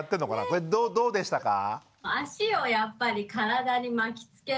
これどうでしたか？